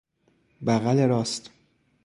بغل راست